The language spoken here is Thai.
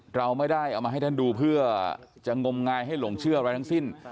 เราไม่ได้เอามาให้ท่านดูเพื่อจะงมงายให้หลงเชื่ออะไรทั้งสิ้น